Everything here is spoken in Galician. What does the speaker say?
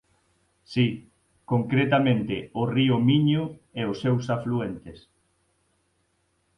Si, concretamente o río Miño e os seus afluentes.